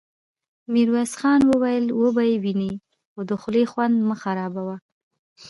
ميرويس خان وويل: وبه يې وينې، خو د خولې خوند مه خرابوه!